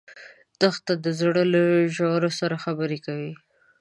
دښته د زړه له ژورو سره خبرې کوي.